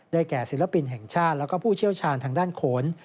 แก่ศิลปินแห่งชาติแล้วก็ผู้เชี่ยวชาญทางด้านโขน